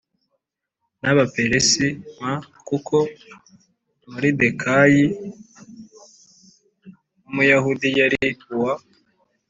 n Abaperesi m Kuko Moridekayi w Umuyahudi yari uwa